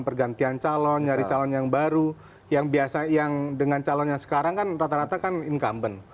pergantian calon nyari calon yang baru yang biasa yang dengan calon yang sekarang kan rata rata kan incumbent